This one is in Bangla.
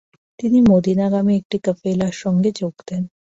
তিনি মদিনাগামী একটি কাফেলার সাথে যোগ দেন।